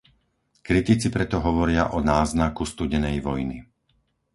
Kritici preto hovoria o náznaku studenej vojny.